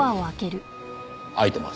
開いてます。